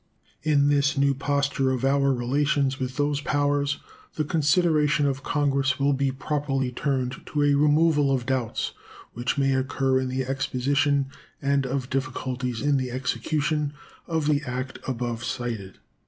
In this new posture of our relations with those powers the consideration of Congress will be properly turned to a removal of doubts which may occur in the exposition and of difficulties in the execution of the act above cited.